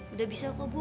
udah bisa kok bu